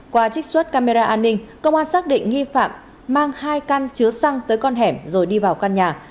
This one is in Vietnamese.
qua trích xuất camera an ninh công an xác định nghi phạm mang hai căn chứa xăng tới con hẻm rồi đi vào căn nhà